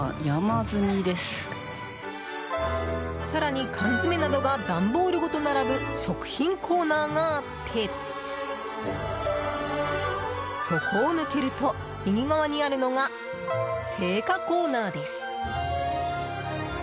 更に缶詰などが段ボールごと並ぶ食品コーナーがあってそこを抜けると右側にあるのが青果コーナーです。